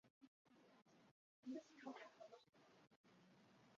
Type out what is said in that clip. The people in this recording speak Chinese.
安宁薹草为莎草科薹草属下的一个种。